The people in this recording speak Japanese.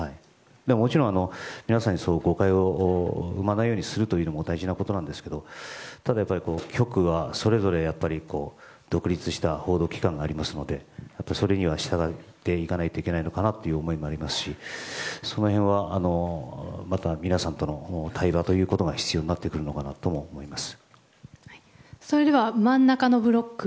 もちろん、皆さんに誤解を生まないようにするというのも大事なことなんですけど、ただ局はそれぞれ独立した報道機関でありますのでそれには従っていかないといけないのかなという思いはありますし皆さんとの対話ということが必要になってくるのかなと思います。